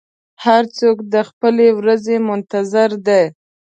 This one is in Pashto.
هر څوک د خپلې ورځې منتظر دی.